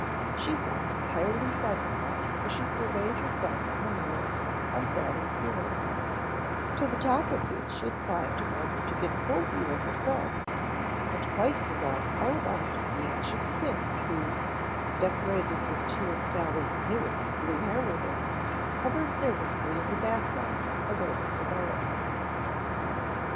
She felt entirely satisfied as she surveyed herself in the mirror on Sally's bureau, to the top of which she had climbed in order to get a full view of herself, and quite forgot all about the anxious twins who, decorated with two of Sally's newest blue hair ribbons, hovered nervously in the background awaiting developments.